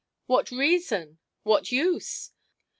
"What reason?" "What use?"